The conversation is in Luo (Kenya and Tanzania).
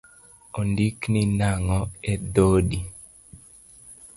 Ondikni nang’o edhodi?